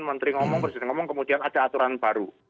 menteri ngomong presiden ngomong kemudian ada aturan baru